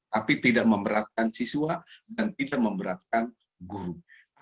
tapi tidak memberatkan siswa dan tidak memberatkan guru